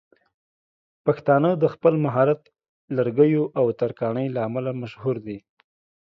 پښتانه د خپل مهارت لرګيو او ترکاڼۍ له امله مشهور دي.